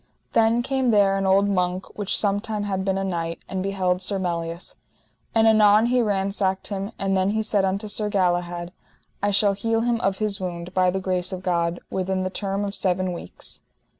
Then came there an old monk which sometime had been a knight, and beheld Sir Melias. And anon he ransacked him; and then he said unto Sir Galahad: I shall heal him of his wound, by the grace of God, within the term of seven weeks.